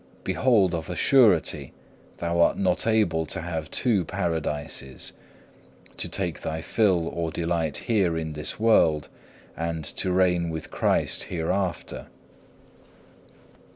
Behold of a surety thou art not able to have two Paradises, to take thy fill or delight here in this world, and to reign with Christ hereafter.